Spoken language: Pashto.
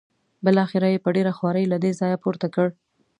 بالاخره یې په ډېره خوارۍ له دې ځایه پورته کړ.